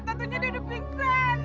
tentunya dia udah pingsan